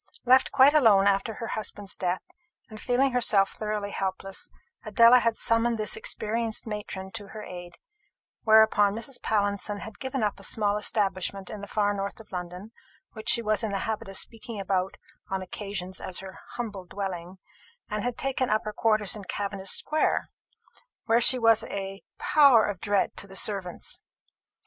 Left quite alone after her husband's death, and feeling herself thoroughly helpless, Adela had summoned this experienced matron to her aid; whereupon Mrs. Pallinson had given up a small establishment in the far north of London, which she was in the habit of speaking about on occasions as her humble dwelling, and had taken up her quarters in Cavendish square, where she was a power of dread to the servants.